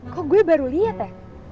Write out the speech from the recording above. kok gue baru lihat ya